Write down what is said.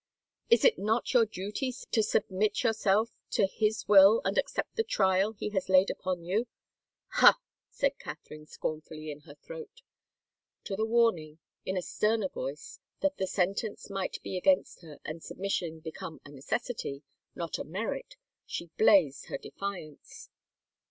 " Is it not your duty to submit yourself to His will and accept the trial He has laid upon you ?"" Ha! " said Catherine scornfully in her throat. To the warning, in a sterner voice, that the sentence might be against her and submission become a necessity, not a merit, she blazed her defiance.